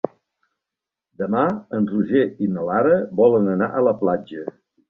Demà en Roger i na Lara volen anar a la platja.